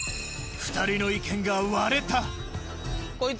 ２人の意見が割れたこいつ。